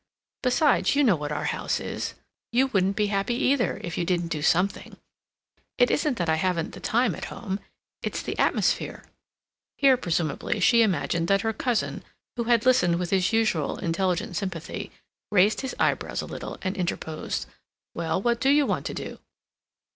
Besides, you know what our house is. You wouldn't be happy either, if you didn't do something. It isn't that I haven't the time at home—it's the atmosphere." Here, presumably, she imagined that her cousin, who had listened with his usual intelligent sympathy, raised his eyebrows a little, and interposed: "Well, but what do you want to do?"